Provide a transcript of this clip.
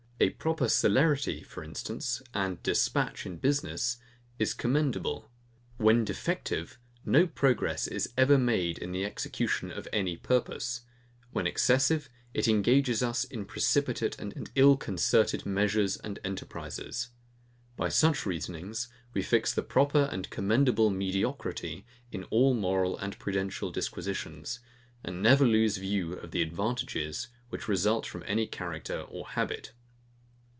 A proper celerity, for instance, and dispatch in business, is commendable. When defective, no progress is ever made in the execution of any purpose: When excessive, it engages us in precipitate and ill concerted measures and enterprises: By such reasonings, we fix the proper and commendable mediocrity in all moral and prudential disquisitions; and never lose view of the advantages, which result from any character or habit.